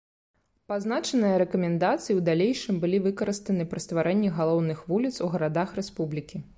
Пазначаныя рэкамендацыі ў далейшым былі выкарыстаны пры стварэнні галоўных вуліц у гарадах рэспублікі.